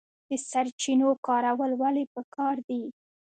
د سرچینو کارول ولې پکار دي؟